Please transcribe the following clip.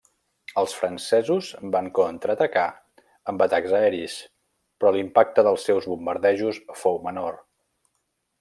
Els francesos van contraatacar amb atacs aeris, però l'impacte dels seus bombardejos fou menor.